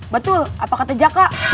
betul apa kata jaka